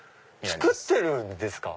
作ってるんですか